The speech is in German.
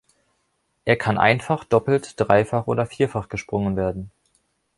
Er kann einfach, doppelt, dreifach oder vierfach gesprungen werden.